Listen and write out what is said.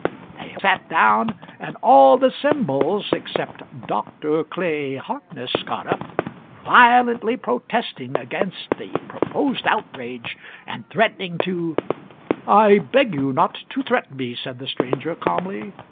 They sat down, and all the Symbols except "Dr." Clay Harkness got up, violently protesting against the proposed outrage, and threatening to "I beg you not to threaten me," said the stranger calmly.